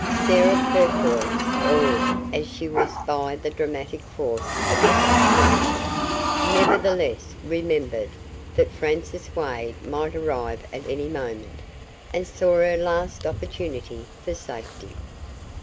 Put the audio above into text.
Sarah Purfoy, awed as she was by the dramatic force of the situation, nevertheless remembered that Francis Wade might arrive at any moment, and saw her last opportunity for safety.